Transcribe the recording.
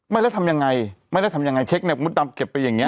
ไม่แล้วทำยังไงไม่ได้ทำยังไงเช็คเนี่ยมดดำเก็บไปอย่างเง